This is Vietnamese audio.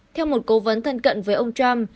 theo một cố vấn thân cận với ông trump